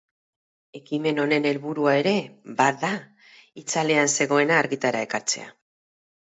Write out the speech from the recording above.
Ekimen honen helburua ere bada itzalean zegoena argitara ekartzea.